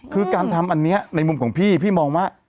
คือการทำอันนี้ในมุมของพี่พี่มองว่า